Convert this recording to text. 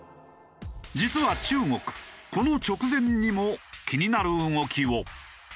実は中国この直前にも気になる動きを。